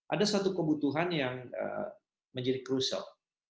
ada satu kebutuhan yang menjadi crucial